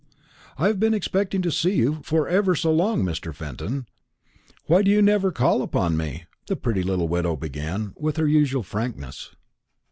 "I have been expecting to see you for ever so long, Mr. Fenton. Why do you never call upon me?" the pretty little widow began, with her usual frankness.